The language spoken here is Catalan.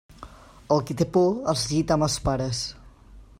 El qui té por es gita amb els pares.